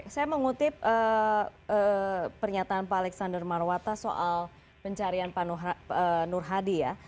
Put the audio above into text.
saya mengutip pernyataan pak alexander marwata soal pencarian pak nur hadi ya